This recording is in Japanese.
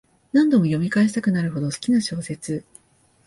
何度も読み返したくなるほど好きな小説